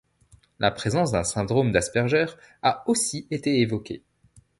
La présence d'un syndrome d'Asperger a aussi été évoquée.